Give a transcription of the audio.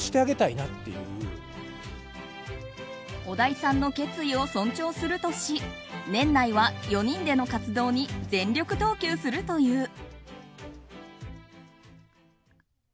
小田井さんの決意を尊重するとし年内は４人での活動に全力投球するという。